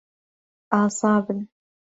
ئازا بن.